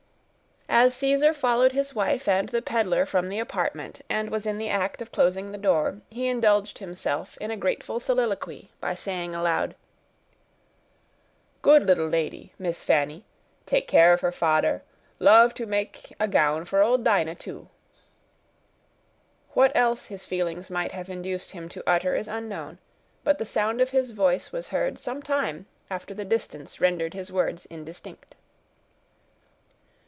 As Caesar followed his wife and the peddler from the apartment, and was in the act of closing the door, he indulged himself in a grateful soliloquy, by saying aloud,— "Good little lady—Miss Fanny—take care of he fader—love to make a gown for old Dinah, too." What else his feelings might have induced him to utter is unknown, but the sound of his voice was heard some time after the distance rendered his words indistinct.